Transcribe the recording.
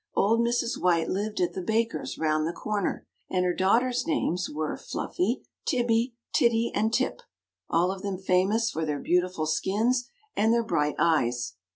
Old Mrs. White lived at the baker's round the corner, and her daughters' names were Fluffy, Tibby, Titty, and Tip; all of them famous for their beautiful skins and their bright eyes.